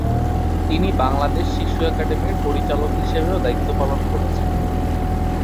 তিনি বাংলাদেশ শিশু একাডেমির পরিচালক হিসেবেও দায়িত্ব পালন করেছেন।